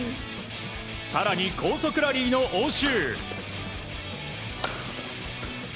更に、高速ラリーの応酬。